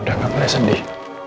udah gak boleh sedih